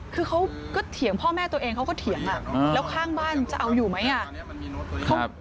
คือเขาก็เถียงพ่อแม่ตัวเองเขาก็เถียงแล้วข้างบ้านจะเอาอยู่ไหมอ่ะ